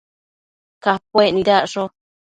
Capuec nidacsho